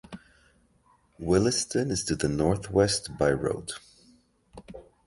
Williston is to the northwest by road.